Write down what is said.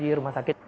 di rumah sakit